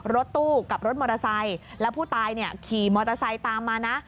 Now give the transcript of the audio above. รถตู้กับรถมอเตอร์ไซค์แล้วผู้ตายเนี่ยขี่มอเตอร์ไซค์ตามมานะ